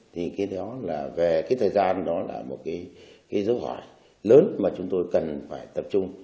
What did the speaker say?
thì cái đó là về cái thời gian đó là một cái dấu hỏi lớn mà chúng tôi cần phải tập trung